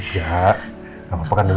gak gak apa apa kan dulu